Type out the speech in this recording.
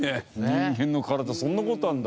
人間の体そんな事あるんだ。